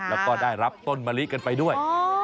แล้วก็ได้รับต้นมะลิกันไปด้วย